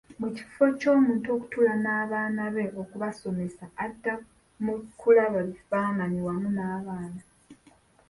Mu kifo ky'omuntu okutuula n'abaana be okubasomesa adda mu kulaba bifaanayi wamu n'abaana.